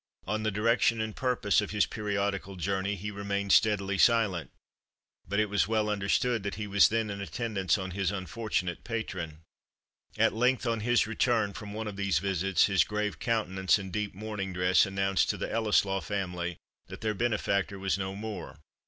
On the direction and purpose of his periodical journey he remained steadily silent; but it was well understood that he was then in attendance on his unfortunate patron. At length, on his return from one of these visits, his grave countenance, and deep mourning dress, announced to the Ellieslaw family that their benefactor was no more.